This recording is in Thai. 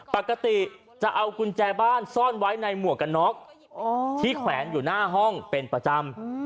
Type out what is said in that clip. ปกติจะเอากุญแจบ้านซ่อนไว้ในหมวกกันน็อกที่แขวนอยู่หน้าห้องเป็นประจำ